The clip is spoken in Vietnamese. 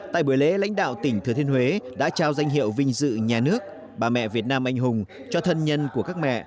tại buổi lễ lãnh đạo tỉnh thừa thiên huế đã trao danh hiệu vinh dự nhà nước bà mẹ việt nam anh hùng cho thân nhân của các mẹ